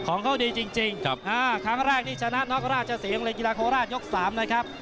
ของเขาดีจริงครั้งแรกนี่ชนะน็อกราชเสียงเลยกีฬาโคราชยก๓นะครับ